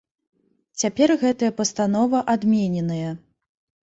Цяпер гэтая пастанова адмененая.